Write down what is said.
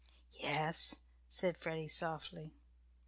"Yes," said Freddie softly.